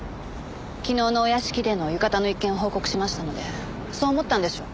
昨日のお屋敷での浴衣の一件を報告しましたのでそう思ったんでしょう。